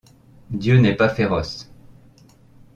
Dieu n’est pas féroce.